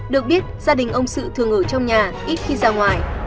được biết gia đình ông sự thường ở trong nhà ít khi ra ngoài